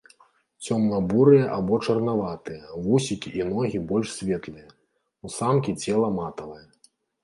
Цёмна-бурыя або чарнаватыя, вусікі і ногі больш светлыя, у самкі цела матавае.